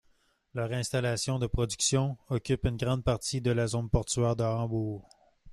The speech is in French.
Leurs installations de production occupent une grande partie de la zone portuaire de Hambourg.